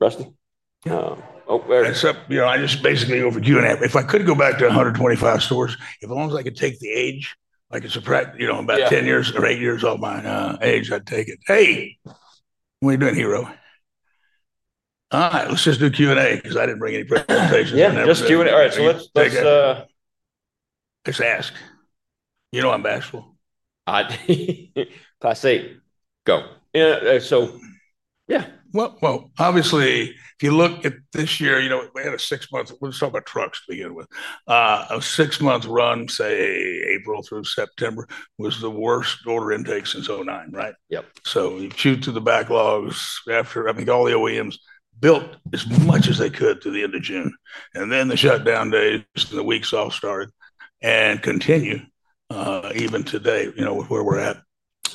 Rusty? Yeah. Oh, there it is. Except, you know, I just basically over Q and A. If I could go back to 125 stores, if only I could take the age, like it's a practice, you know, about 10 years or 8 years old, my age, I'd take it. Hey, what are you doing, hero? All right, let's just do Q and A because I didn't bring any presentations. Yeah, just Q and A. All right, so let's, let's, Okay. Just ask. You know I'm bashful. I do. Class eight. Go. Yeah. Yeah, obviously, if you look at this year, you know, we had a six-month, we'll just talk about trucks to begin with. A six-month run, say, April through September, was the worst order intake since 2009, right? Yep. We chewed through the backlogs after, I think, all the OEMs built as much as they could through the end of June. Then the shutdown days and the weeks all started and continue, even today, you know, with where we're at.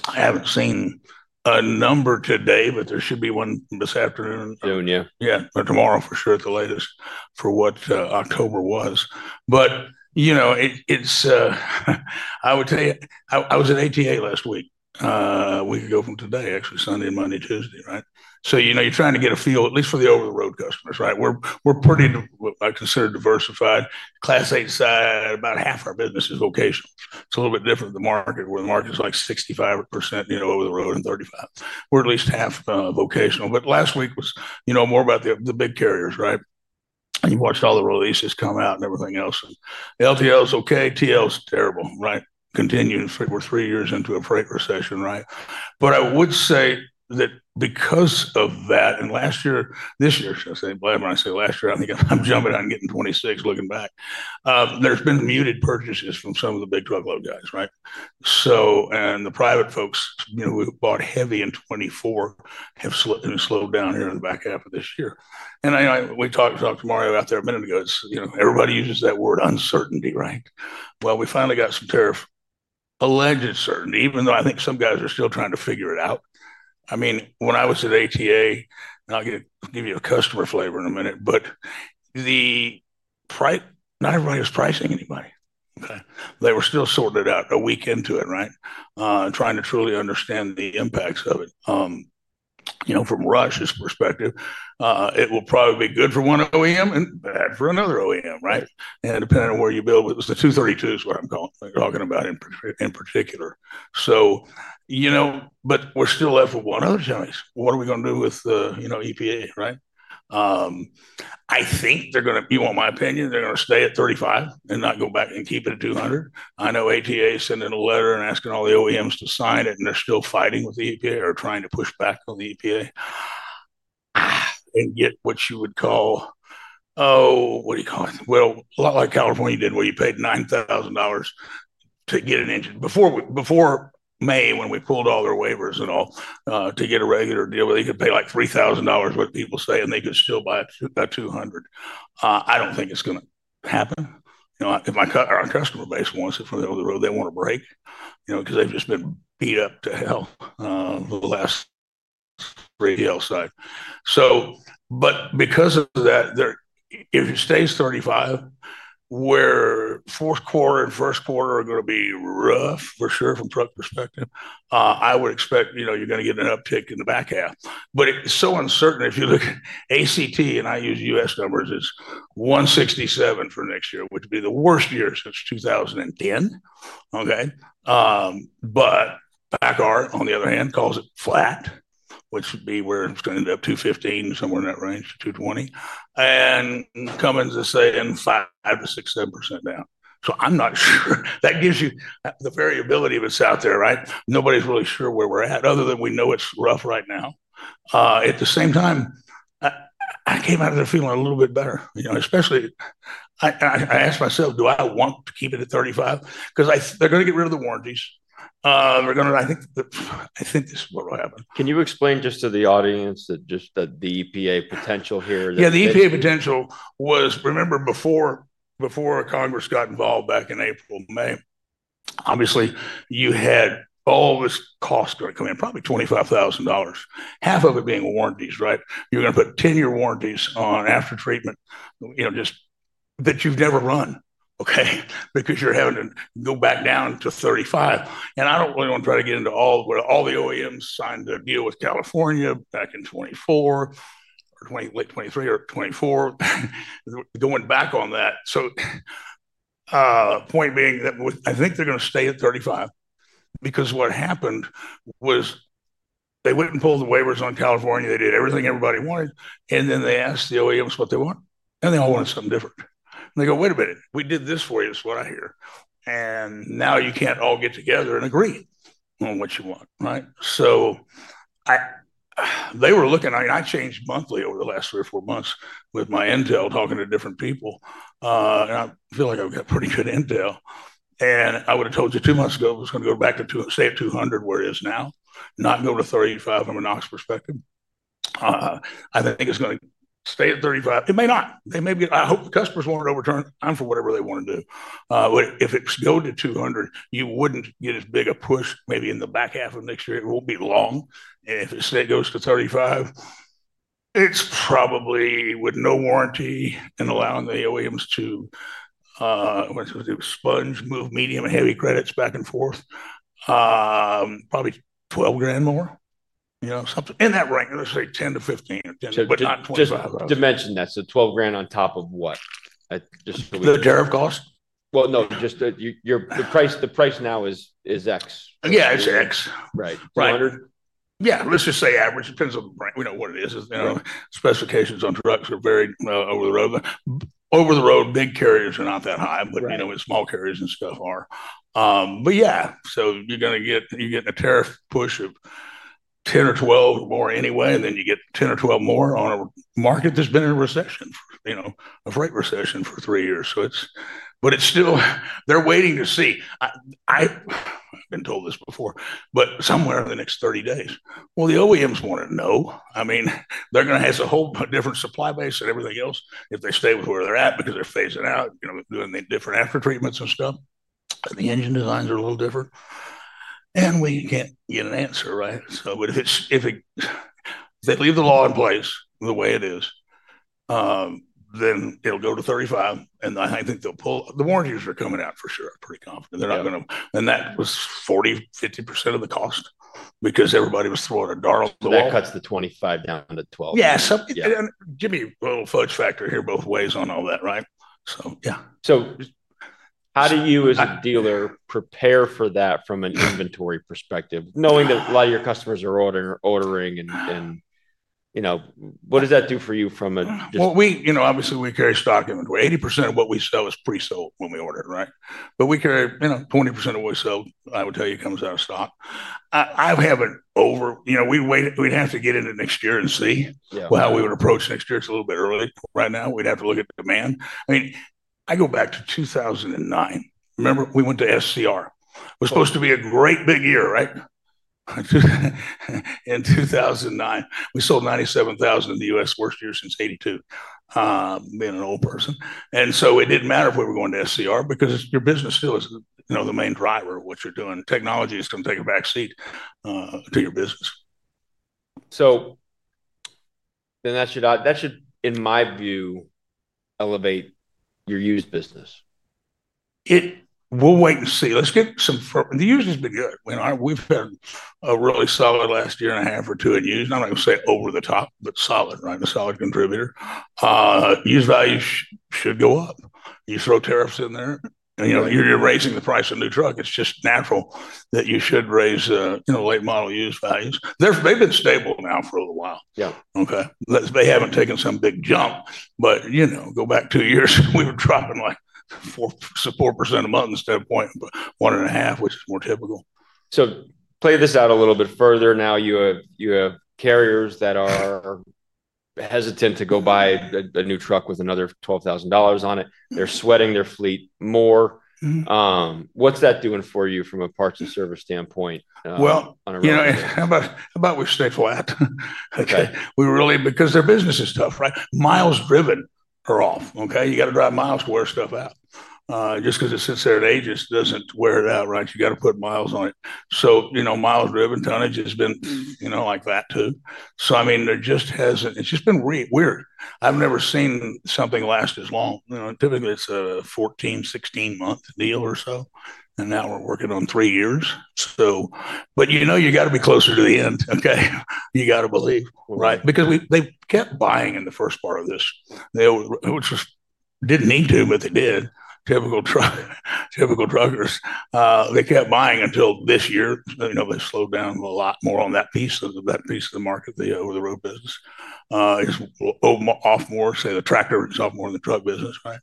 I haven't seen a number today, but there should be one this afternoon. Soon, yeah. Yeah. Or tomorrow for sure, at the latest, for what October was. But, you know, it's, I would tell you, I was at ATA last week, a week ago from today, actually, Sunday and Monday, Tuesday, right? You know, you're trying to get a feel, at least for the over-the-road customers, right? We're pretty, I consider, diversified. Class 8 side, about half our business is vocational. It's a little bit different than the market, where the market's like 65% over the road and 35. We're at least half vocational. Last week was more about the big carriers, right? You watched all the releases come out and everything else. LTL's okay. TL's terrible, right? Continuing for, we're three years into a freight recession, right? I would say that because of that, and last year, this year, I should say, whenever I say last year, I think I'm jumping out and getting 2026 looking back, there's been muted purchases from some of the big truckload guys, right? The private folks, you know, who bought heavy in 2024 have slowed down here in the back half of this year. I, you know, we talked to Mario out there a minute ago. It's, you know, everybody uses that word uncertainty, right? We finally got some tariff alleged certainty, even though I think some guys are still trying to figure it out. I mean, when I was at ATA, and I'll give you a customer flavor in a minute, but the price, not everybody was pricing anybody, okay? They were still sorting it out a week into it, right? Trying to truly understand the impacts of it. You know, from Rush's perspective, it will probably be good for one OEM and bad for another OEM, right? Depending on where you build, it was the 232s, what I'm talking about in particular. You know, but we're still left with one of those jellies. What are we going to do with the, you know, EPA, right? I think they're going to, you want my opinion, they're going to stay at 0.35 and not go back and keep it at 0.20. I know ATA is sending a letter and asking all the OEMs to sign it, and they're still fighting with the EPA or trying to push back on the EPA. And get what you would call, oh, what do you call it? Well, a lot like California did where you paid $9,000 to get an engine before we, before May, when we pulled all their waivers and all, to get a regular deal, where they could pay like $3,000, what people say, and they could still buy a 0.20. I don't think it's going to happen. You know, if my customer base wants it for the over-the-road, they want a break, you know, because they've just been beat up to hell, the last three TL side. Because of that, if it stays 35, fourth quarter and first quarter are going to be rough for sure from a truck perspective. I would expect, you know, you're going to get an uptick in the back half, but it's so uncertain. If you look at ACT, and I use US numbers, it's 167 for next year, which would be the worst year since 2010. Okay? PACCAR, on the other hand, calls it flat, which would be where it's going to end up, 215, somewhere in that range, 220, and Cummins is saying 5%-6%, 7% down. So I'm not sure. That gives you the variability of what's out there, right? Nobody's really sure where we're at other than we know it's rough right now. At the same time, I came out of there feeling a little bit better, you know, especially, I asked myself, do I want to keep it at 35? Because they're going to get rid of the warranties. They're going to, I think this is what will happen. Can you explain just to the audience just the EPA potential here? Yeah, the EPA potential was, remember before, before Congress got involved back in April, May, obviously you had all this cost going to come in, probably $25,000, half of it being warranties, right? You're going to put 10-year warranties on aftertreatment, you know, just that you've never run, okay? Because you're having to go back down to 35. I don't really want to try to get into all, all the OEMs signed a deal with California back in 2024. Or 2020, late 2023 or 2024. Going back on that. Point being that I think they're going to stay at 35 because what happened was, they went and pulled the waivers on California. They did everything everybody wanted. Then they asked the OEMs what they want. They all wanted something different. They go, wait a minute, we did this for you, is what I hear. Now you can't all get together and agree on what you want, right? I, they were looking, I mean, I changed monthly over the last three or four months with my intel, talking to different people. I feel like I've got pretty good intel. I would have told you two months ago, it was going to go back to, say, 200, where it is now, not go to 35 from a NOx perspective. I think it's going to stay at 35. It may not. I hope the customers won't overturn. I'm for whatever they want to do. If it goes to 200, you wouldn't get as big a push. Maybe in the back half of next year, it won't be long. If it goes to 35, it's probably with no warranty and allowing the OEMs to, what's it, sponge, move medium and heavy credits back and forth. Probably $12,000 more, you know, something in that range. Let's say $10,000 to $15,000, but not $25,000. Just to mention that. So $12,000 on top of what? The tariff cost. No, just your price, the price now is, is X. Yeah, it's X. Right. Right. Yeah. Let's just say average. It depends on, right? We know what it is. You know, specifications on trucks are very over the road. Over the road, big carriers are not that high, but you know, with small carriers and stuff are. But yeah. So you're going to get, you're getting a tariff push of 10 or 12 more anyway, and then you get 10 or 12 more on a market that's been in a recession, you know, a freight recession for three years. It's, but it's still, they're waiting to see. I, I've been told this before, but somewhere in the next 30 days. The OEMs want to know. I mean, they're going to have a whole different supply base and everything else if they stay with where they're at because they're phasing out, you know, doing the different aftertreatments and stuff. The engine designs are a little different. And we can't get an answer, right? If it's, if it, if they leave the law in place the way it is, then it'll go to 35%. I think they'll pull, the warranties are coming out for sure. I'm pretty confident. They're not going to, and that was 40%-50% of the cost because everybody was throwing a darn old law. That cuts the 25 down to 12. Yeah. So, and give me a little fudge factor here both ways on all that, right? So, yeah. How do you as a dealer prepare for that from an inventory perspective, knowing that a lot of your customers are ordering, ordering and, you know, what does that do for you from a just. You know, obviously we carry stock inventory. 80% of what we sell is pre-sold when we order it, right? You know, 20% of what we sell, I would tell you, comes out of stock. I have an over, you know, we'd wait, we'd have to get into next year and see how we would approach next year. It's a little bit early right now. We'd have to look at demand. I mean, I go back to 2009. Remember we went to SCR. It was supposed to be a great big year, right? In 2009, we sold 97,000 in the U.S., worst year since 1982, being an old person. It didn't matter if we were going to SCR because your business still is, you know, the main driver of what you're doing. Technology is going to take a backseat to your business. That should, in my view, elevate your used business. It, we'll wait and see. Let's get some firm, the used has been good. We've had a really solid last year and a half or two in used. I'm not going to say over the top, but solid, right? A solid contributor. Used value should go up. You throw tariffs in there, and you know, you're raising the price of a new truck. It's just natural that you should raise, you know, late model used values. They've been stable now for a little while. Yeah. Okay. They haven't taken some big jump, but, you know, go back two years, we were dropping like 4% a month instead of 0.15%, which is more typical. Play this out a little bit further. Now you have carriers that are hesitant to go buy a new truck with another $12,000 on it. They're sweating their fleet more. What's that doing for you from a parts and service standpoint? How about we stay flat? Okay. We really, because their business is tough, right? Miles driven are off. Okay. You got to drive mi to wear stuff out. Just because it sits there and ages does not wear it out, right? You got to put mi on it. Miles driven, tonnage has been like that too. I mean, there just has not, it has just been weird. I have never seen something last as long. Typically, it is a 14-16 month deal or so. And now we are working on three years. You got to be closer to the end. You got to believe, right? Because they kept buying in the first part of this. They did not need to, but they did. Typical truck, typical truckers. They kept buying until this year. They slowed down a lot more on that piece of the market, the over-the-road business. It is off more, say the tractor itself more than the truck business, right?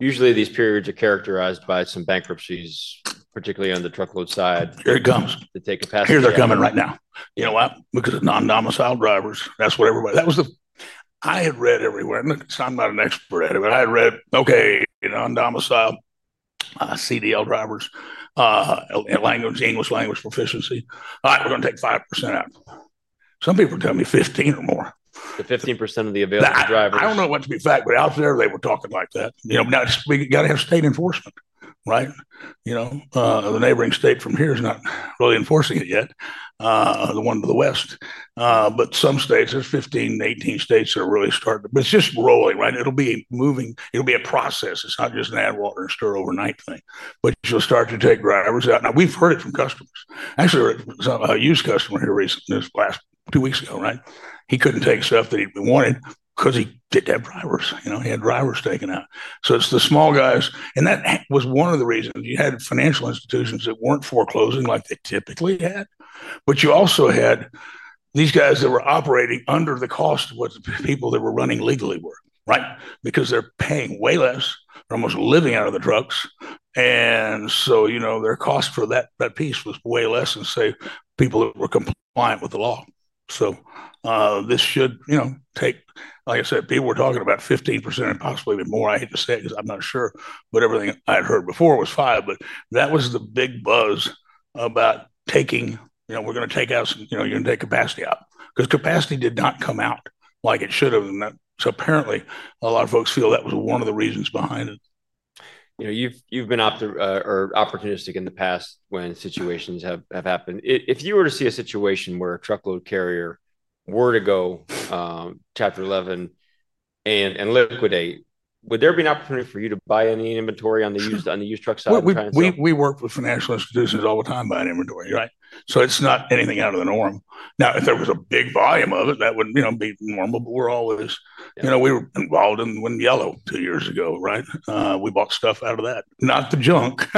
Usually these periods are characterized by some bankruptcies, particularly on the truckload side. Here it comes. To take a passenger. Here they're coming right now. You know what? Because of non-domicile drivers. That's what everybody, that was the, I had read everywhere. And so I'm not an expert at it, but I had read, okay, non-domicile. CDL drivers, language, English language proficiency. All right, we're going to take 5% out. Some people tell me 15% or more. The 15% of the available drivers. I don't know that to be fact, but out there they were talking like that. You know, now we got to have state enforcement, right? You know, the neighboring state from here is not really enforcing it yet, the one to the west. But some states, there's 15-18 states that are really starting to, but it's just rolling, right? It'll be moving, it'll be a process. It's not just an Adalater and Stir overnight thing, but you'll start to take drivers out. Now we've heard it from customers. Actually, a used customer here recently, this last two weeks ago, right? He couldn't take stuff that he wanted because he didn't have drivers. You know, he had drivers taken out. It's the small guys. That was one of the reasons you had financial institutions that weren't foreclosing like they typically had. You also had these guys that were operating under the cost of what the people that were running legally were, right? Because they're paying way less. They're almost living out of the trucks. Their cost for that piece was way less than, say, people that were compliant with the law. This should, you know, take, like I said, people were talking about 15% and possibly even more. I hate to say it because I'm not sure, but everything I'd heard before was five, but that was the big buzz about taking, you know, we're going to take out some, you know, you're going to take capacity out because capacity did not come out like it should have. Apparently a lot of folks feel that was one of the reasons behind it. You know, you've been opportunistic in the past when situations have happened. If you were to see a situation where a truckload carrier were to go Chapter 11 and liquidate, would there be an opportunity for you to buy any inventory on the used, on the used truck side of the transit? We work with financial institutions all the time buying inventory, right? So it's not anything out of the norm. Now, if there was a big volume of it, that would, you know, be normal, but we're always, you know, we were involved in when Yellow two years ago, right? We bought stuff out of that. Not the junk.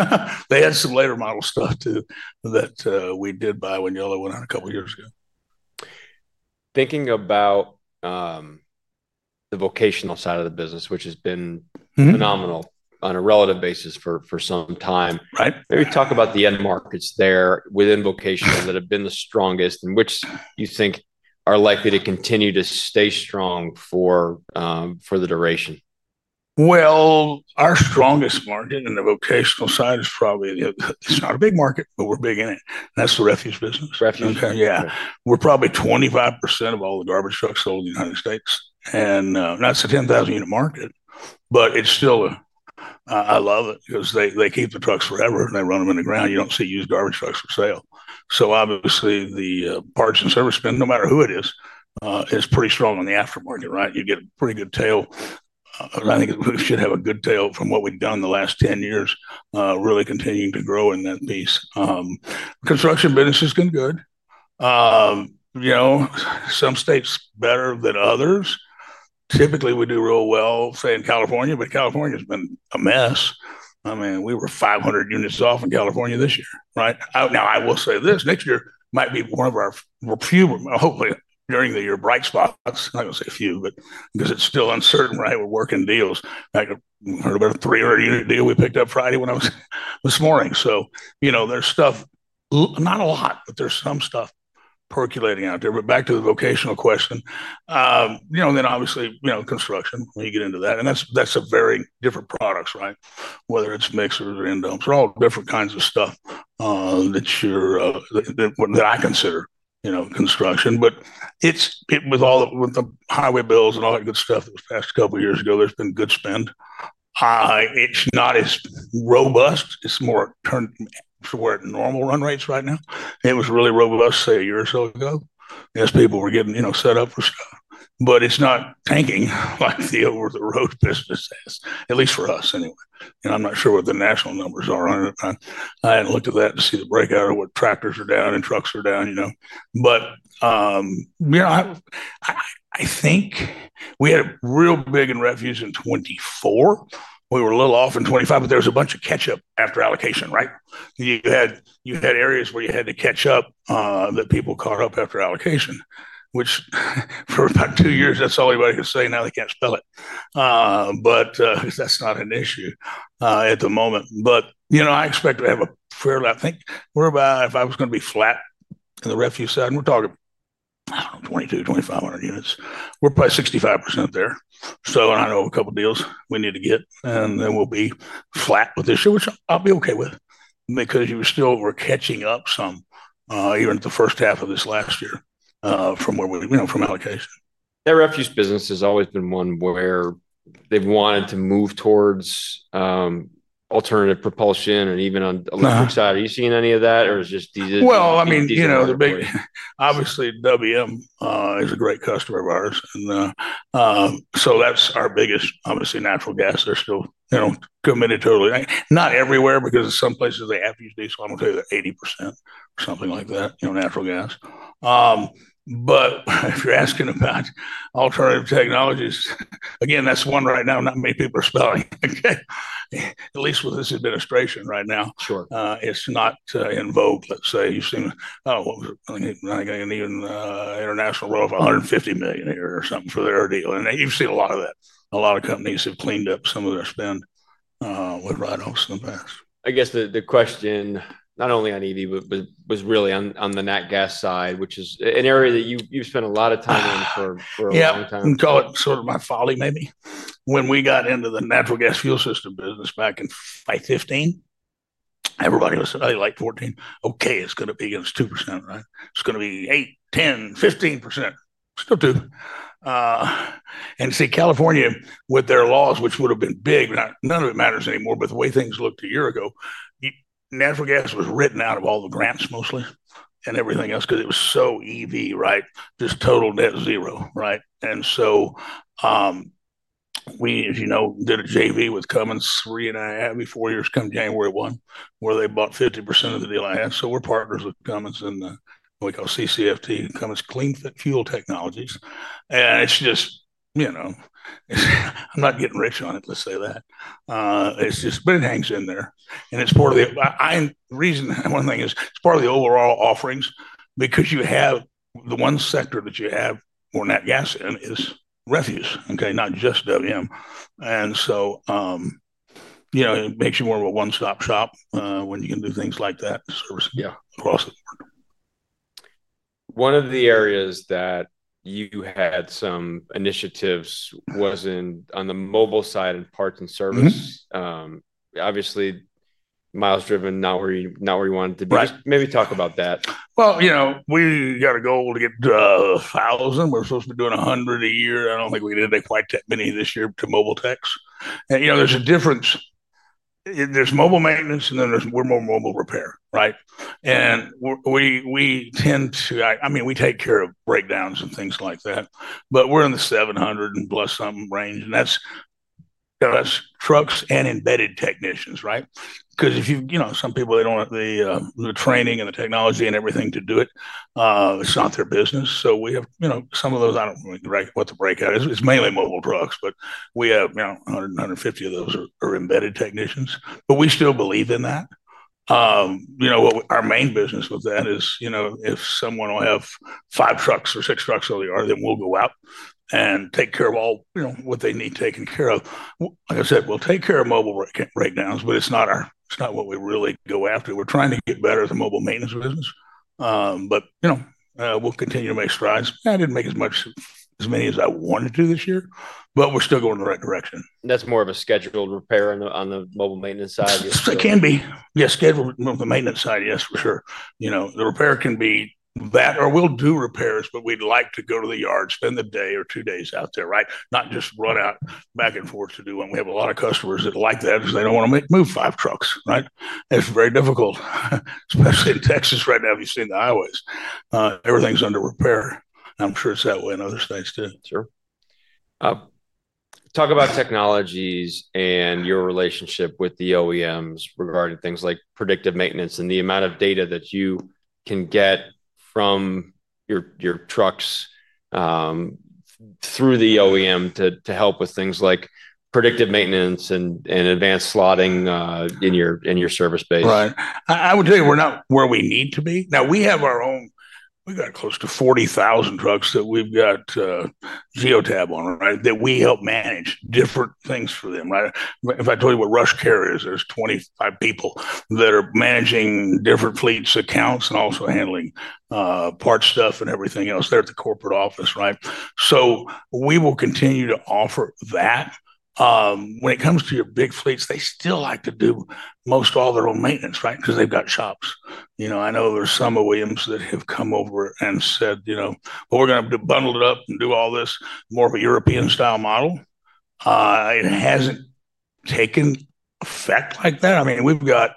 They had some later model stuff too that we did buy when Yellow went out a couple of years ago. Thinking about the vocational side of the business, which has been phenomenal on a relative basis for some time. Right. Maybe talk about the end markets there within vocational that have been the strongest and which you think are likely to continue to stay strong for the duration. Our strongest market in the vocational side is probably, it's not a big market, but we're big in it. And that's the refuse business. Refuse. Yeah. We're probably 25% of all the garbage trucks sold in the United States. That's a 10,000 unit market, but it's still a, I love it because they keep the trucks forever and they run them in the ground. You don't see used garbage trucks for sale. Obviously, the parts and service spend, no matter who it is, is pretty strong on the aftermarket, right? You get a pretty good tail. I think we should have a good tail from what we've done in the last 10 years, really continuing to grow in that piece. Construction business has been good. You know, some states better than others. Typically we do real well, say in California, but California has been a mess. I mean, we were 500 units off in California this year, right? Now I will say this, next year might be one of our few, hopefully during the year, bright spots. I'm not going to say a few, but because it's still uncertain, right? We're working deals. I heard about a 300 unit deal we picked up Friday when I was this morning. You know, there's stuff, not a lot, but there's some stuff percolating out there. Back to the vocational question, then obviously, you know, construction, we get into that. That's a very different products, right? Whether it's mixers or in-domes, all different kinds of stuff that I consider, you know, construction, but it's with all the, with the highway bills and all that good stuff that was passed a couple of years ago, there's been good spend. It's not as robust. It's more turned toward normal run rates right now. It was really robust, say a year or so ago, as people were getting, you know, set up for stuff, but it's not tanking like the over-the-road business has, at least for us anyway. I'm not sure what the national numbers are on it. I hadn't looked at that to see the breakout or what tractors are down and trucks are down, you know, but, you know, I think we had a real big in refuse in 2024. We were a little off in 2025, but there was a bunch of catch up after allocation, right? You had areas where you had to catch up, that people caught up after allocation, which for about two years, that's all anybody can say. Now they can't spell it, but that's not an issue at the moment. You know, I expect to have a fair, I think we're about, if I was going to be flat in the refuse side, we're talking, I don't know, 2,200-2,500 units. We're probably 65% there. I know a couple of deals we need to get and then we'll be flat with this year, which I'll be okay with because you were still, we're catching up some, even at the first half of this last year, from where we, you know, from allocation. That refuse business has always been one where they've wanted to move towards alternative propulsion and even on electric side. Are you seeing any of that or is just. I mean, you know, the big, obviously WM, is a great customer of ours. That's our biggest, obviously natural gas. They're still, you know, committed totally. Not everywhere because some places they have used base, so I'm going to tell you that 80% or something like that, you know, natural gas. If you're asking about alternative technologies, again, that's one right now. Not many people are spelling. Okay. At least with this administration right now. Sure. It's not in vogue. Let's say you've seen, oh, what was it? I think an even International row of $150 million here or something for their deal. And you've seen a lot of that. A lot of companies have cleaned up some of their spend, with Ryder's in the past. I guess the question, not only on EV, but was really on the nat gas side, which is an area that you've spent a lot of time in for a long time. Yeah. You can call it sort of my folly maybe. When we got into the natural gas fuel system business back in 2015. Everybody was, I like 2014. Okay. It's going to be against 2%, right? It's going to be 8%, 10%, 15%. Still 2%. And see California with their laws, which would have been big, but none of it matters anymore. The way things looked a year ago, natural gas was written out of all the grants mostly and everything else because it was so EV, right? Just total net zero, right? As you know, we did a JV with Cummins three and a half, maybe four years come January 1, where they bought 50% of the deal I had. We are partners with Cummins and what we call CCFT, Cummins Clean Fuel Technologies. It's just, you know, I'm not getting rich on it. Let's say that. It's just, but it hangs in there and it's part of the, I reason, one thing is it's part of the overall offerings because you have the one sector that you have or net gas in is refuse, okay? Not just WM. It makes you more of a one-stop shop when you can do things like that. Yeah. Across the board. One of the areas that you had some initiatives was in on the mobile side and parts and service. Obviously, mi driven not where you, not where you wanted to be. Maybe talk about that. You know, we got a goal to get to a thousand. We're supposed to be doing a hundred a year. I don't think we did quite that many this year to mobile techs. You know, there's a difference. There's mobile maintenance and then there's, we're more mobile repair, right? We tend to, I mean, we take care of breakdowns and things like that, but we're in the 700 and plus something range. That's trucks and embedded technicians, right? Because if you, you know, some people, they don't want the training and the technology and everything to do it. It's not their business. So we have, you know, some of those. I don't really know what the breakout is. It's mainly mobile trucks, but we have, you know, 100, 150 of those are embedded technicians, but we still believe in that. You know, our main business with that is, you know, if someone will have five trucks or six trucks or the other, then we'll go out and take care of all, you know, what they need taken care of. Like I said, we'll take care of mobile breakdowns, but it's not our, it's not what we really go after. We're trying to get better at the mobile maintenance business. You know, we'll continue to make strides. I didn't make as much, as many as I wanted to this year, but we're still going in the right direction. That's more of a scheduled repair on the, on the mobile maintenance side. It can be. Yeah. Scheduled with the maintenance side. Yes, for sure. You know, the repair can be that, or we'll do repairs, but we'd like to go to the yard, spend a day or two days out there, right? Not just run out back and forth to do one. We have a lot of customers that like that because they don't want to move five trucks, right? It's very difficult. Especially in Texas right now. Have you seen the highways? Everything's under repair. I'm sure it's that way in other states too. Sure. Talk about technologies and your relationship with the OEMs regarding things like predictive maintenance and the amount of data that you can get from your trucks, through the OEM, to help with things like predictive maintenance and advanced slotting in your service base. Right. I would tell you we're not where we need to be. Now we have our own, we got close to 40,000 trucks that we've got Geotab on, right? That we help manage different things for them, right? If I told you what Rush Care is, there's 25 people that are managing different fleets, accounts, and also handling parts stuff and everything else there at the corporate office, right? So we will continue to offer that. When it comes to your big fleets, they still like to do most all their own maintenance, right? Because they've got shops. You know, I know there's some OEMs that have come over and said, you know, well, we're going to bundle it up and do all this, more of a European style model. It hasn't taken effect like that. I mean, we've got,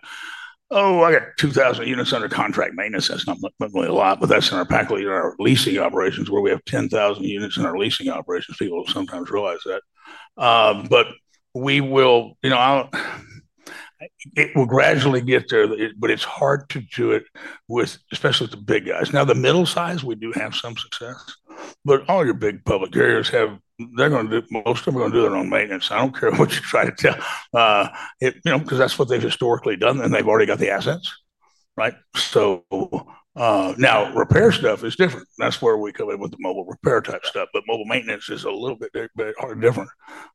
oh, I got 2,000 units under contract maintenance. That's not really a lot, but that's in our PACCAR leasing operations where we have 10,000 units in our leasing operations. People sometimes realize that. But we will, you know, it will gradually get there, but it's hard to do it with, especially with the big guys. Now the middle size, we do have some success, but all your big public carriers have, they're going to do, most of them are going to do their own maintenance. I don't care what you try to tell, you know, because that's what they've historically done. And they've already got the assets, right? Now repair stuff is different. That's where we come in with the mobile repair type stuff, but mobile maintenance is a little bit hard different.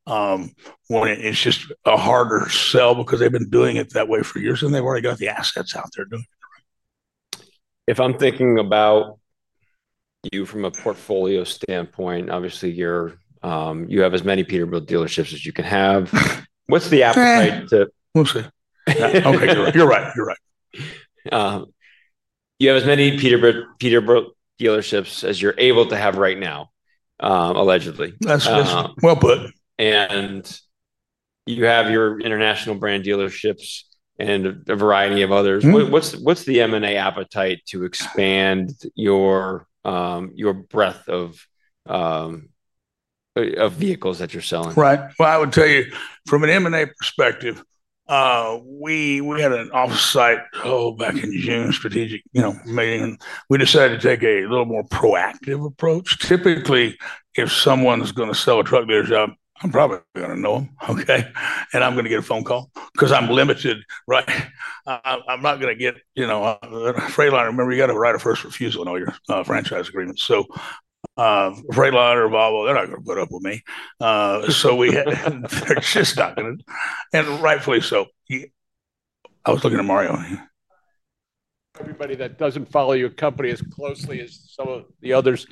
When it's just a harder sell because they've been doing it that way for years and they've already got the assets out there doing it. If I'm thinking about you from a portfolio standpoint, obviously you have as many Peterbilt dealerships as you can have. What's the appetite to. We'll see. Okay. You're right. You're right. You have as many Peterbilt, Peterbilt dealerships as you're able to have right now. Allegedly. That's what's, well, but. You have your International brand dealerships and a variety of others. What's the M&A appetite to expand your breadth of vehicles that you're selling? Right. I would tell you from an M&A perspective, we had an offsite call back in June, strategic, you know, meeting. We decided to take a little more proactive approach. Typically, if someone's going to sell a truck to their job, I'm probably going to know them. Okay. I'm going to get a phone call because I'm limited, right? I'm not going to get, you know, a Freightliner. Remember, you got a right of first refusal in all your franchise agreements. Freightliner or Volvo, they're not going to put up with me. They're just not going to, and rightfully so. I was looking at Mario. Everybody that doesn't follow your company as closely as some of the others.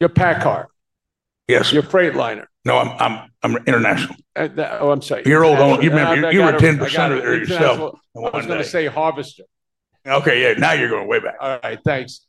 Your PACCAR. Yes. Your Freightliner. No, I'm international. Oh, I'm sorry. You're old. You were 10% of there yourself. I was going to say International. Okay. Yeah. Now you're going way back. All right. Thanks.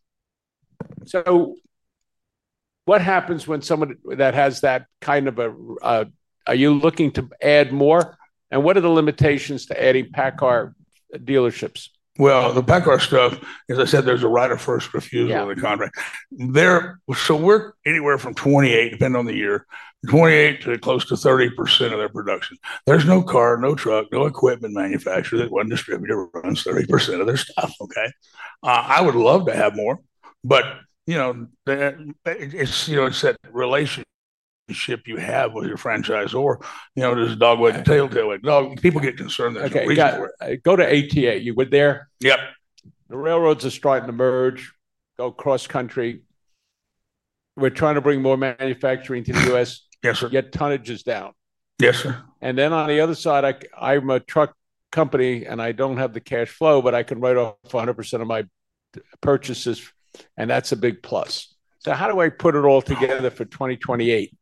What happens when someone that has that kind of a, are you looking to add more? What are the limitations to adding PACCAR dealerships? The PACCAR stuff, as I said, there's a right of first refusal in the contract. They're, so we're anywhere from 28%, depending on the year, 28% to close to 30% of their production. There's no car, no truck, no equipment manufacturer that one distributor runs 30% of their stuff. Okay. I would love to have more, but you know, it's, you know, it's that relationship you have with your franchisor, you know, there's a dog with a tail, tail like dog. People get concerned that we got. Go to ATA. You went there. Yep. The railroads are starting to merge, go cross country. We're trying to bring more manufacturing to the U.S. Yes, sir. Get tonnages down. Yes, sir. On the other side, I, I'm a truck company and I don't have the cash flow, but I can write off 100% of my purchases. That's a big plus. How do I put it all together for 2028?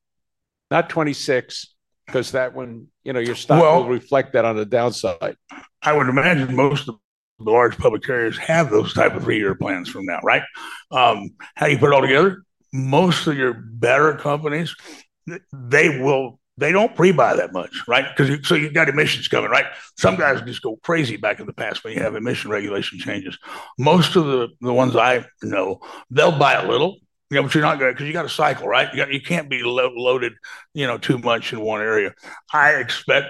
Not 2026, because that one, you know, your stock will reflect that on the downside. I would imagine most of the large public carriers have those type of three-year plans from now, right? How do you put it all together? Most of your better companies, they will, they do not pre-buy that much, right? Because you, so you have got emissions coming, right? Some guys just go crazy back in the past when you have emission regulation changes. Most of the ones I know, they will buy a little, you know, but you are not going to, because you have got a cycle, right? You cannot be loaded, you know, too much in one area. I expect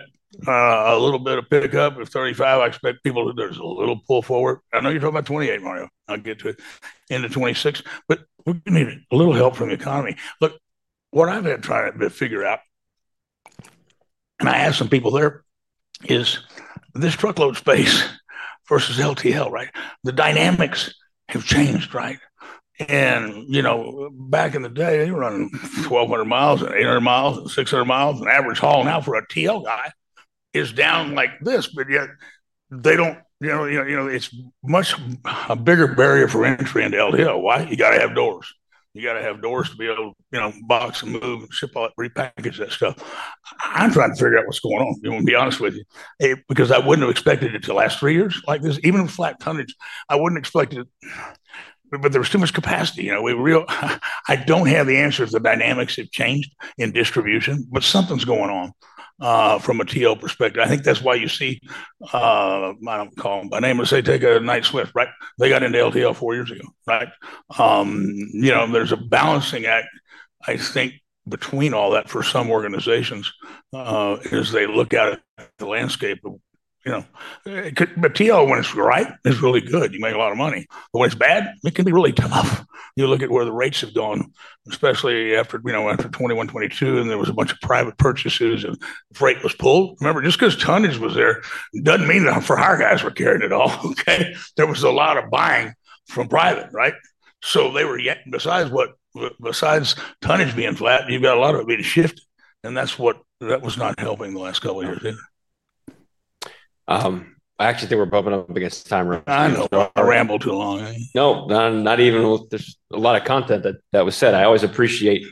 a little bit of pickup at 35. I expect people, there is a little pull forward. I know you are talking about 28, Mario. I will get to it in the 26, but we need a little help from the economy. Look, what I have been trying to figure out, and I asked some people, there is this truckload space versus LTL, right? The dynamics have changed, right? You know, back in the day, they were running 1,200 mi and 800 mi and 600 mi. And average haul now for a TL guy is down like this, but yet they do not, you know, you know, you know, it is much a bigger barrier for entry into LTL. Why? You have got to have doors. You have got to have doors to be able to, you know, box and move and ship all that, repackage that stuff. I am trying to figure out what is going on. I am going to be honest with you, because I would not have expected it to last three years like this, even with flat tonnage. I would not have expected it. There was too much capacity. You know, we real, I do not have the answers. The dynamics have changed in distribution, but something is going on, from a TL perspective. I think that is why you see, I do not call them by name, let us say take a Knight-Swift, right? They got into LTL four years ago, right? You know, there is a balancing act, I think, between all that for some organizations, as they look at it, the landscape, you know, but TL, when it is right, it is really good. You make a lot of money. When it is bad, it can be really tough. You look at where the rates have gone, especially after, you know, after 2021, 2022, and there was a bunch of private purchases and freight was pulled. Remember, just because tonnage was there, does not mean that for our guys were carrying it all. Okay. There was a lot of buying from private, right? So they were yet, besides what, besides tonnage being flat, you have got a lot of it being shifted. That was not helping the last couple of years either. I actually think we're bubbling up against time. I know. I rambled too long. No, not even with a lot of content that was said. I always appreciate,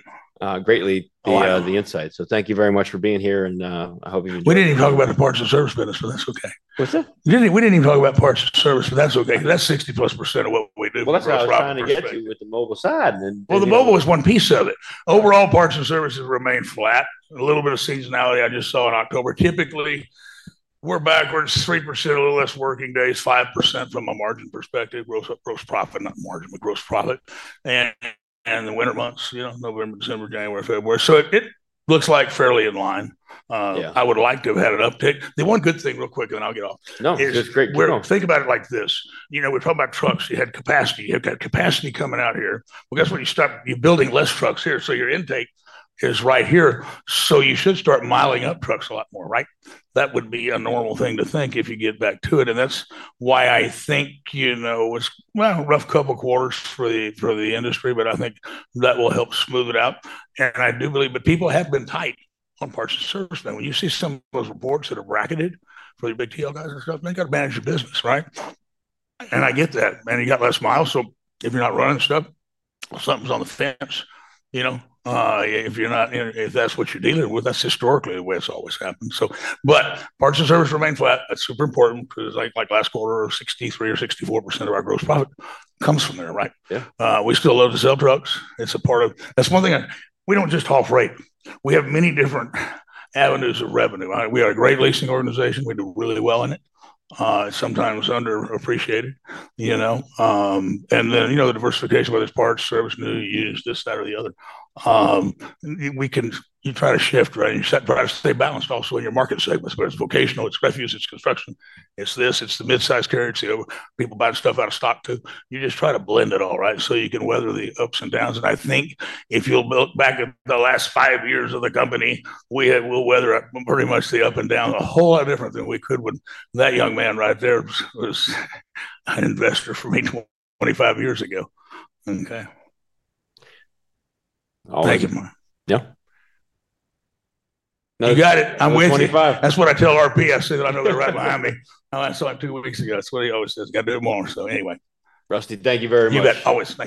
greatly, the insight. So thank you very much for being here, and I hope you enjoy. We did not even talk about the parts and service business, but that's okay. What's that? We didn't, we didn't even talk about parts and service, but that's okay. That's 60% plus of what we do. That is what I was trying to get to with the mobile side and then. The mobile is one piece of it. Overall parts and services remain flat. A little bit of seasonality I just saw in October. Typically, we're backwards 3%, a little less working days, 5% from a margin perspective, gross, gross profit, not margin, but gross profit. In the winter months, you know, November, December, January, February. It looks like fairly in line. I would like to have had an uptake. The one good thing real quick, and then I'll get off. No, just great. We're going to think about it like this. You know, we're talking about trucks. You had capacity. You've got capacity coming out here. Guess what? You start, you're building less trucks here. Your intake is right here. You should start miling up trucks a lot more, right? That would be a normal thing to think if you get back to it. That's why I think, you know, it's a rough couple of quarters for the industry, but I think that will help smooth it out. I do believe, but people have been tight on parts and service then. When you see some of those reports that are bracketed for the big TL guys and stuff, they got to manage your business, right? I get that. You got less mi. If you're not running stuff, something's on the fence, you know, if you're not, if that's what you're dealing with, that's historically the way it's always happened. Parts and service remain flat. That's super important because I think like last quarter, 63% or 64% of our gross profit comes from there, right? Yeah. We still love to sell trucks. It's a part of, that's one thing, we don't just haul freight. We have many different avenues of revenue. We are a great leasing organization. We do really well in it, sometimes underappreciated, you know, and then, you know, the diversification whether it's parts, service, new, used, this, that, or the other. You try to shift, right? You try to stay balanced also in your market segments, but it's vocational, it's refuse, it's construction, it's this, it's the mid-size carrier, it's the people buying stuff out of stock too. You just try to blend it all, right? You can weather the ups and downs. I think if you'll look back at the last five years of the company, we will weather pretty much the up and down a whole lot different than we could when that young man right there was an investor for me 25 years ago. Okay. All right. Thank you, Mario. Yeah. You got it. I'm with you. That's what I tell RP. I say that I know they're right behind me. I saw it two weeks ago. That's what he always says. Got to do it more. So anyway. Rusty, thank you very much. You bet. Always.